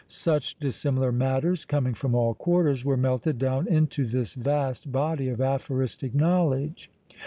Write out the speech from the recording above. Such dissimilar matters, coming from all quarters, were melted down into this vast body of aphoristic knowledge.